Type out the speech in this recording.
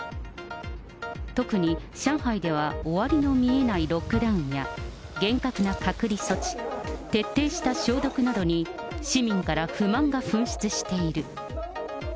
特に上海では終わりの見えないロックダウンや厳格な隔離措置、徹底した消毒などに市民から不満が噴出している。